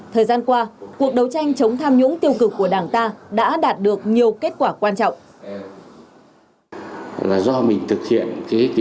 thời gian qua cuộc đấu tranh chống tham nhũng tiêu cực của đảng ta đã đạt được nhiều kết quả quan trọng